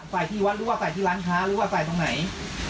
ใส่ที่วัดหรือว่าใส่ที่ร้านค้าหรือว่าใส่ตรงไหน